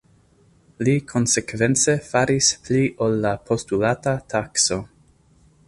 Li konsekvence faris pli ol la postulata takso.